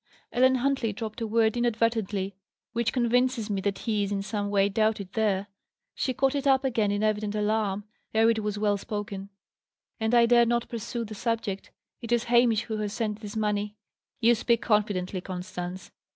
Ellen Huntley dropped a word inadvertently, which convinces me that he is in some way doubted there. She caught it up again in evident alarm, ere it was well spoken; and I dared not pursue the subject. It is Hamish who has sent this money." "You speak confidently, Constance."